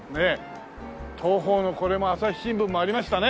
東宝のこれも朝日新聞もありましたね！